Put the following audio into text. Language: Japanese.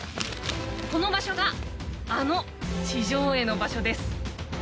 この場所があの地上絵の場所です。